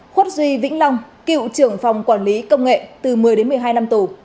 khuất duy vĩnh long cựu trưởng phòng quản lý công nghệ từ một mươi đến một mươi hai năm tù